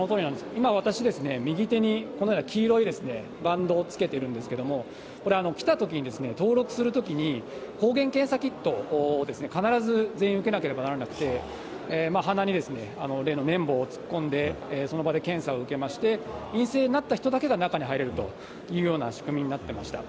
今、私、右手にこのような黄色いバンドをつけているんですけれども、これ、来たときに、登録するときに、抗原検査キットを必ず全員受けなければいけなくて、鼻に例の綿棒を突っ込んで、その場で検査を受けまして、陰性になった人だけが中に入れるというような仕組みになっていました。